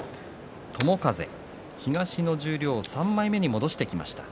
友風、東の十両３枚目に戻してきました。